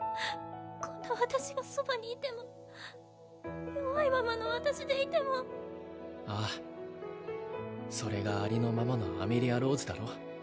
こんな私がそばにいても弱いままの私でいてもああそれがありのままのアメリア＝ローズだろう？